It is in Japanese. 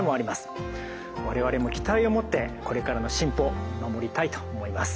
我々も期待を持ってこれからの進歩見守りたいと思います。